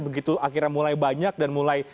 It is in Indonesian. begitu akhirnya mulai banyak dan mulai